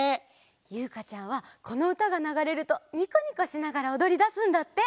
ゆうかちゃんはこのうたがながれるとニコニコしながらおどりだすんだって。